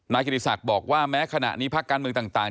กิติศักดิ์บอกว่าแม้ขณะนี้ภาคการเมืองต่าง